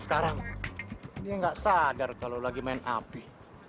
sekarang dia nggak sadar kalau lagi main api